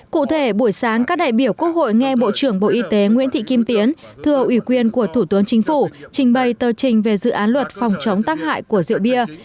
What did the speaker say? cụ thể buổi sáng các đại biểu quốc hội nghe bộ trưởng bộ y tế nguyễn thị kim tiến thưa ủy quyền của thủ tướng chính phủ trình bày tờ trình về dự án luật phòng chống tác hại của rượu bia